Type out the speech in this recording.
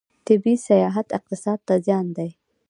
طبي سیاحت اقتصاد ته زیان دی.